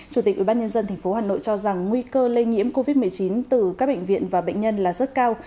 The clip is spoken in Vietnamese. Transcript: chủ tịch ubnd tp hà nội cho rằng nguy cơ lây nhiễm covid một mươi chín từ các bệnh viện và bệnh nhân là rất cao